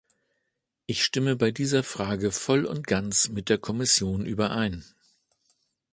Ich stimme bei dieser Frage voll und ganz mit der Kommission überein.